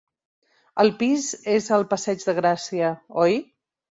El pis és al Passeig de Gràcia, oi?